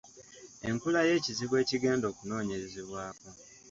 Enkula y’ekizibu ekigenda okunoonyerezebwako.